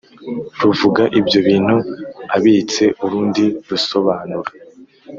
Ruvuga ibyo bintu abitse urundi rusobanura